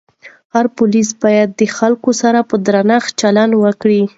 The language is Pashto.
هر پولیس باید د خلکو سره په درنښت چلند وکړي.